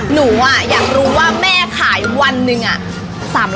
หนูอยากรู้ว่าแม่ขายวันหนึ่ง